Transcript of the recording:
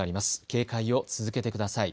警戒を続けてください。